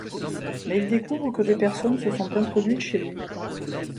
Mais il découvre que des personnes se sont introduites chez lui.